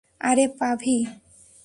আরে, পাভি!